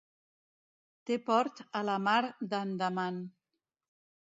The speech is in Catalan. Té port a la mar d'Andaman.